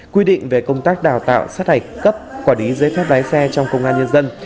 quy định về công tác đào tạo sát hạch cấp quản lý giấy phép lái xe trong công an nhân dân